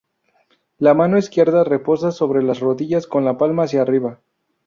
La mano izquierda reposa sobre las rodillas con la palma hacia arriba.